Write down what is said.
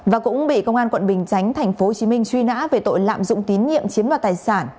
và cũng bị công an quận bình chánh tp hcm truy nã về tội lạm dụng tín nhiệm chiếm đoạt tài sản